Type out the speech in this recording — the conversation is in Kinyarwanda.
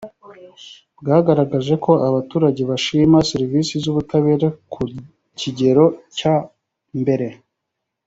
bwagaragaje ko abaturage bashima serivisi z ubutabera ku kigero cya mbere